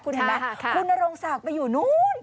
คุณเห็นไหมคุณนรงศักดิ์ไปอยู่นู้น